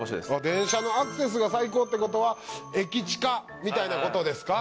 電車のアクセスが最高ってことは駅近みたいなことですか？